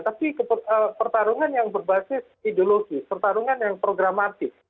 tapi pertarungan yang berbasis ideologis pertarungan yang programatik